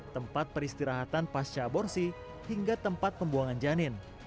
tempat peristirahatan pasca aborsi hingga tempat pembuangan janin